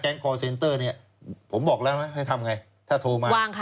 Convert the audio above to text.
คอร์เซนเตอร์เนี่ยผมบอกแล้วนะให้ทำไงถ้าโทรมา